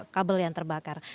kabel yang terbakar